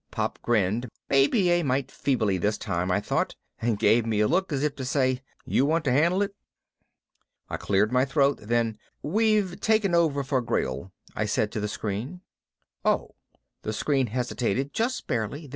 Pop grinned, maybe a mite feebly this time, I thought, and gave me a look as if to say, "You want to handle it?" I cleared my throat. Then, "We've taken over for Grayl," I said to the screen. "Oh." The screen hesitated, just barely.